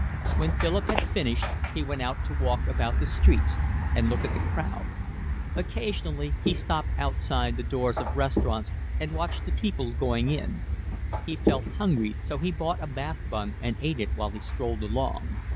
When Philip had finished he went out to walk about the streets and look at the crowd; occasionally he stopped outside the doors of restaurants and watched the people going in; he felt hungry, so he bought a bath bun and ate it while he strolled along.